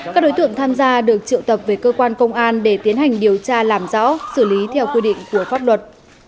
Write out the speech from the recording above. các đối tượng tham gia được triệu tập về cơ quan công an để tiến hành điều tra làm rõ xử lý theo quy định của pháp luật